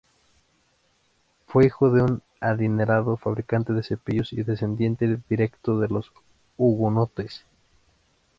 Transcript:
Fue hijo de un adinerado fabricante de cepillos y descendiente directo de los Hugonotes.